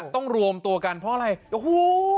ต้องรวมตัวกันเพราะอะไร